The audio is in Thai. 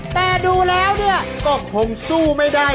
แต่ดูแล้วก็คงสู้ไม่ได้